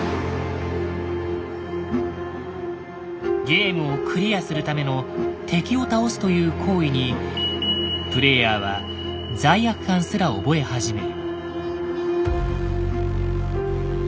ゲームをクリアするための「敵を倒す」という行為にプレイヤーは罪悪感すら覚え始める。